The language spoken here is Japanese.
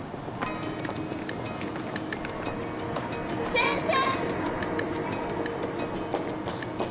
先生！